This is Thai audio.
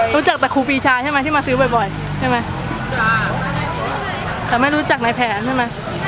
รู้จักแต่ครูปีชาใช่ไหมที่มาซื้อบ่อยบ่อยใช่ไหมอ่าแต่ไม่รู้จักในแผนใช่ไหม